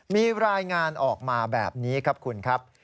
มีรายงานออกมาแบบนี้ครับคุณครับ